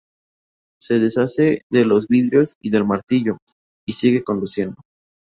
Se deshace de los vidrios y del martillo, y sigue conduciendo.